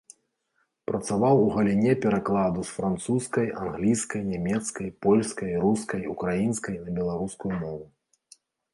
Працаваў у галіне перакладу з французскай, англійскай, нямецкай, польскай, рускай, украінскай на беларускую мову.